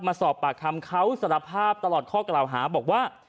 มาสอบปากคำเขาสารภาพตลอดข้อกล่าวหาบอกว่า